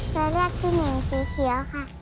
ตัวเลือกที่หนึ่งสีเขียวค่ะ